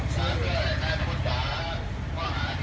เจ๊เฟสจิ้ม